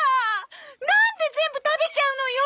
なんで全部食べちゃうのよ！